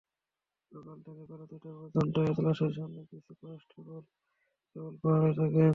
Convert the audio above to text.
সকাল থেকে বেলা দুইটা পর্যন্ত এজলাসের সামনে কিছু কনস্টেবল কেবল পাহারায় থাকেন।